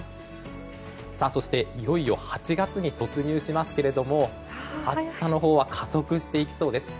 そしていよいよ８月に突入しますが暑さのほうは加速していきそうです。